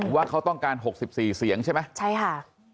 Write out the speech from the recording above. ว่าเขาต้องการ๖๔เสียงใช่ไหมใช่ค่ะ